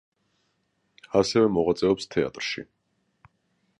ასევე მოღვაწეობს თეატრში.